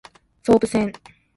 総武線